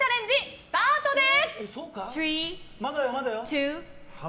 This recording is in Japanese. スタートです！